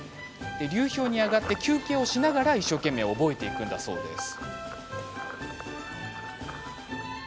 流氷に上がって休憩をしながら一生懸命、覚えていきます。